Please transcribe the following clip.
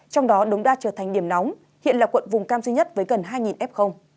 trong đó đống đa trở thành điểm nóng hiện là quận vùng cam duy nhất với gần hai f